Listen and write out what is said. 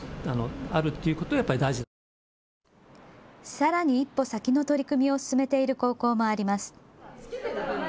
さらに一歩先の取り組みを進めている高校もあります。